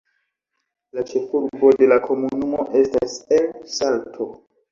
La ĉefurbo de la komunumo estas El Salto.